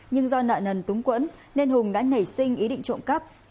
nhưng do nợ nần túng quẫn nên hùng đã nảy sinh ý định trộm cắp